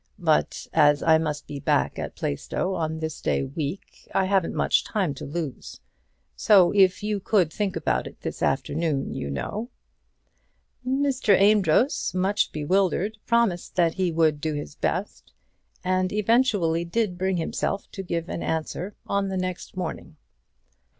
But as I must be back at Plaistow on this day week, I haven't much time to lose. So if you could think about it this afternoon, you know " Mr. Amedroz, much bewildered, promised that he would do his best, and eventually did bring himself to give an answer on the next morning.